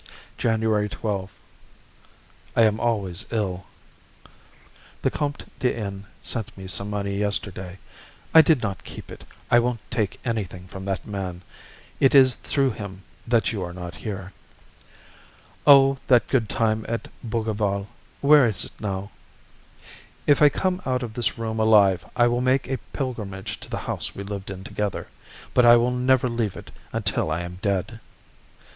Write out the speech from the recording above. January 12. I am always ill. The Comte de N. sent me some money yesterday. I did not keep it. I won't take anything from that man. It is through him that you are not here. Oh, that good time at Bougival! Where is it now? If I come out of this room alive I will make a pilgrimage to the house we lived in together, but I will never leave it until I am dead.